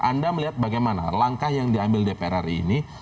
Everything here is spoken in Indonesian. anda melihat bagaimana langkah yang diambil dpr ri ini